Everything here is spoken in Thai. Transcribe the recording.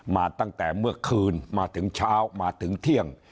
มาตั้งแต่เมื่อคืนมาถึงเช้ามาถึงเที่ยง